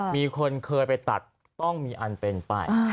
มีคนเคยไปตัดต้องมีอันเป็นไป